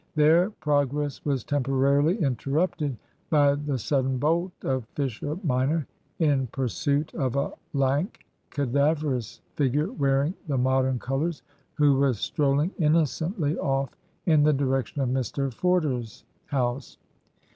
Their progress was temporarily interrupted by the sudden bolt of Fisher minor in pursuit of a lank, cadaverous figure, wearing the Modern colours, who was strolling innocently off in the direction of Mr Forder's house.